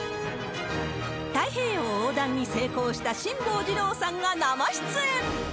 太平洋横断に成功した辛坊治郎さんが生出演。